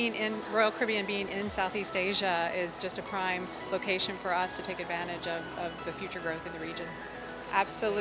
jadi royal caribbean berada di asia pasifik adalah lokasi utama untuk kita untuk mengambil kesempatan untuk kembang di kawasan